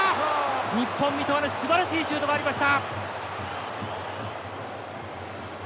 日本三笘のすばらしいシュートがありました。